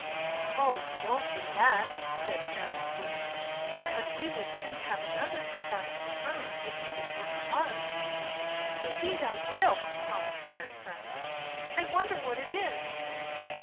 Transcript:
"Oh, don't do that," said Fairly Flew, ''because we will soon have another surprise for her if you will work hard." "Indeed I will," promised Mary Frances. "I wonder what it is?"